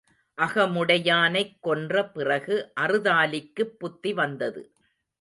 அகமுடையானைக் கொன்ற பிறகு அறுதாலிக்குப் புத்திவந்தது.